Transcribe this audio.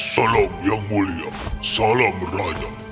salam yang mulia salam raya